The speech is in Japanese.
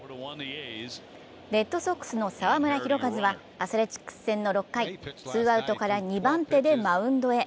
レッドソックスの澤村拓一はアスレチックス戦の６回ツーアウトから２番手でマウンドへ。